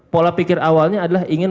pola pikir awalnya adalah ingin